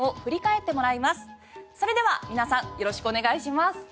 それでは皆さんよろしくお願いします。